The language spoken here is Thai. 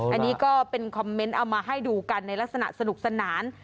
อันนี้ก็เป็นคอมเมนต์เอามาให้ดูกันในลักษณะสนุกสนาน